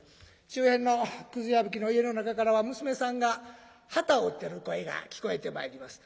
周辺のくずやぶきの家の中からは娘さんが機を織ってる声が聞こえてまいります。